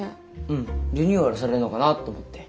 うんリニューアルされるのかなと思って。